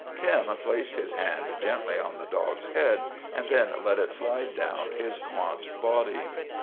Tim placed his hand gently on the dog's head and then let it slide down his gaunt body.